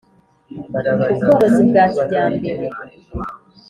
ubworozi bya kijyambere